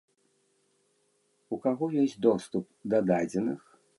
У каго ёсць доступ да дадзеных?